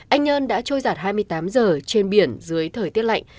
anh nhơn đã trôi giặt hai mươi tám giờ trên biển dưới thời tiết lạnh